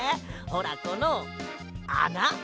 ほらこのあな！